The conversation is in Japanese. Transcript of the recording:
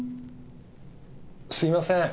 すみません。